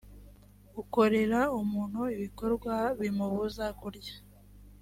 ukorera umuntu ibikorwa bimubuza kurya